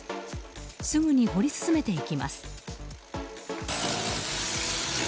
すぐに掘り進めていきます。